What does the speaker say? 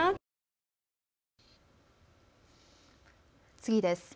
次です。